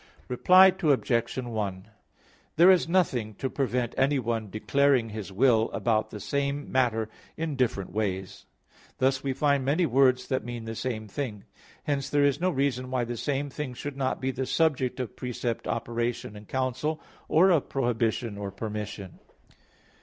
Reply Obj. 1: There is nothing to prevent anyone declaring his will about the same matter in different ways; thus we find many words that mean the same thing. Hence there is no reason why the same thing should not be the subject of precept, operation, and counsel; or of prohibition or permission.